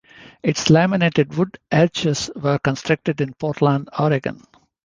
Its laminated wood arches were constructed in Portland, Oregon.